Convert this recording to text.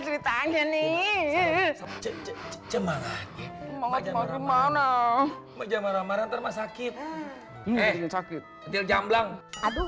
ceritanya nih cemangat semangat